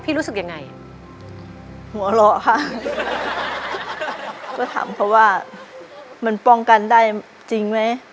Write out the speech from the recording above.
รู้สึกยังไงหัวเราะค่ะก็ถามเขาว่ามันป้องกันได้จริงไหม